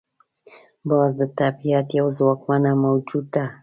باز د طبیعت یو ځواکمنه موجود ده